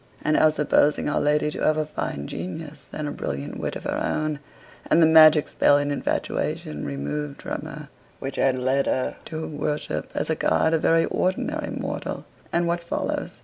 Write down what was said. And now, supposing our lady to have a fine genius and a brilliant wit of her own, and the magic spell and infatuation removed from her which had led her to worship as a god a very ordinary mortal and what follows?